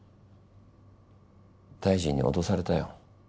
大臣に脅されたよ。